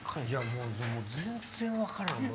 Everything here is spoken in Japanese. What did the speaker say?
もう全然分からん。